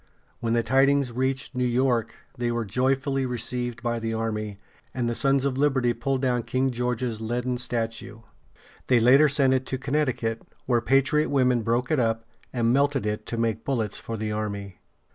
When the tidings reached New York, they were joyfully received by the army, and the Sons of Liberty pulled down King George's leaden statue. They later sent it to Connecticut, where patriot women broke it up and melted it to make bullets for the army.